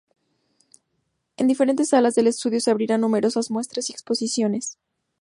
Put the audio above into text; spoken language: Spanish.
En diferentes salas del estadio se abrirán numerosas muestras y exposiciones.